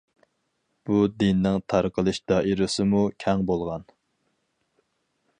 بۇ دىننىڭ تارقىلىش دائىرىسىمۇ كەڭ بولغان.